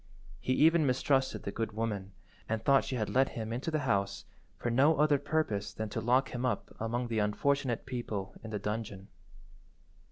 He even mistrusted the good woman, and thought she had let him into the house for no other purpose than to lock him up among the unfortunate people in the dungeon.